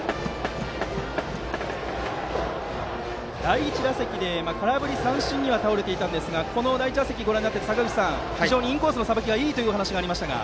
第１打席で空振り三振には倒れていたんですがこの打席をご覧になって非常にインコースのさばきがいいというお話でしたね。